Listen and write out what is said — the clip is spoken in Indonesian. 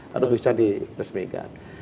harus bisa diresmikan